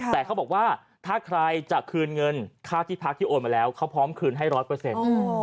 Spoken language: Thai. แต่เขาบอกว่าถ้าใครจะคืนเงินค่าที่พักที่โอนมาแล้วเขาพร้อมคืนให้ร้อยเปอร์เซ็นต์